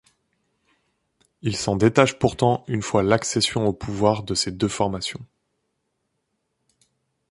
Il s'en détache pourtant une fois l'accession au pouvoir de ces deux formations.